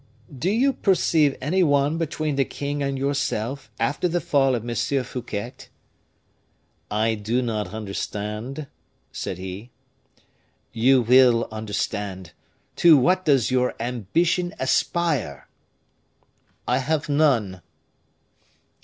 Do you perceive any one between the king and yourself, after the fall of M. Fouquet?" "I do not understand," said he. "You will understand. To what does your ambition aspire?" "I have none."